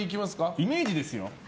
イメージですよ。